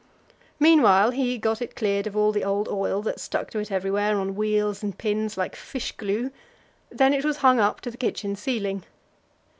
Meanwhile he got it cleared of all the old oil that stuck to it everywhere, on wheels and pins, like fish glue; then it was hung up to the kitchen ceiling.